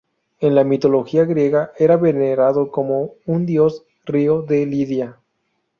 En la mitología griega era venerado como un dios-río de Lidia.